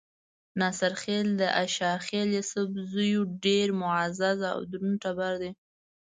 ناصرخېل د اشاخېل ايسپزو ډېر معزز او درون ټبر دے۔